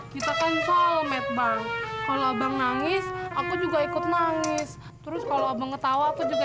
kita kan soal medbar kalau bang nangis aku juga ikut nangis terus kalau banget tahu aku juga